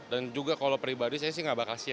dan juga kalau pribadi saya sih nggak bakal share